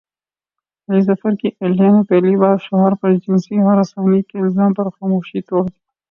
علی ظفر کی اہلیہ نے پہلی بار شوہر پرجنسی ہراسانی کے الزام پر خاموشی توڑ دی